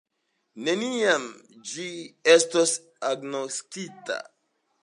Neniam ĝi estos agnoskita.